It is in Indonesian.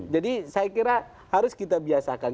jadi saya kira harus kita biasakan